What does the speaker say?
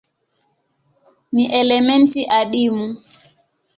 Ni elementi adimu.